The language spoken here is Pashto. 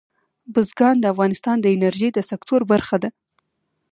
بزګان د افغانستان د انرژۍ د سکتور برخه ده.